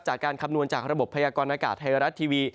จากการคับนวนจากระบบพยากรณ์อากาศไทยรัสทีวี